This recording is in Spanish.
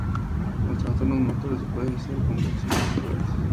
Los trastornos motores pueden ser convulsiones o parálisis.